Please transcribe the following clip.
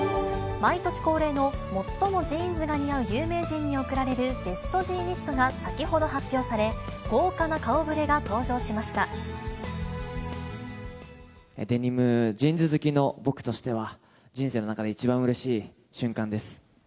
毎年恒例の最もジーンズが似合う有名人に贈られる、ベストジーニストが先ほど発表され、デニム、ジーンズ好きの僕としては、人生の中で一番うれしい瞬間です。